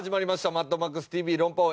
『マッドマックスＴＶ論破王』。